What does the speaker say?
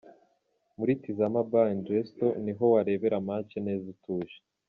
Muri Tizama Bar & Resto niho warebera Match neza utuje.